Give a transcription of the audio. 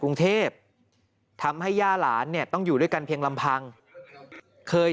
กรุงเทพทำให้ย่าหลานเนี่ยต้องอยู่ด้วยกันเพียงลำพังเคย